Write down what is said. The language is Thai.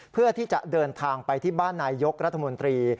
เพื่อที่จะเดินทางไปที่บ้านนายยกรัฐมนตรี